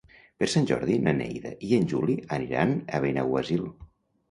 Per Sant Jordi na Neida i en Juli aniran a Benaguasil.